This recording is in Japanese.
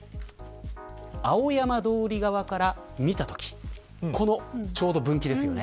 青山通り側から見たときちょうどこの分岐ですよね。